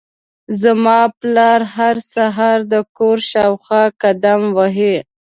زما پلار هر سهار د کور شاوخوا قدم وهي.